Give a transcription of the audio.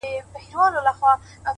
انتظار به د سهار کوو تر کومه,